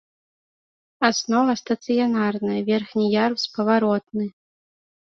Аснова стацыянарная, верхні ярус паваротны.